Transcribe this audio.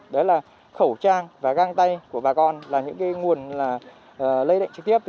đó là khẩu trang và găng tay của bà con là những nguồn lây lệnh trực tiếp